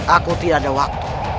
aku tidak ada waktu